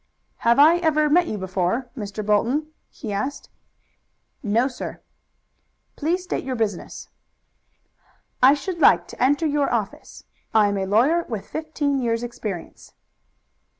"Have I ever met you before, Mr. Bolton?" he asked. "No, sir." "Please state your business." "I should like to enter your office. I am a lawyer with fifteen years' experience."